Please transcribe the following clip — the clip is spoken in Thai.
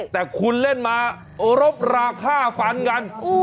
แต่คุณเล่นมารบราค่าฟันกัน